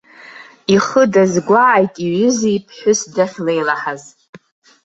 Ихы дазгәааит иҩыза иԥҳәыс дахьлеилаҳаз.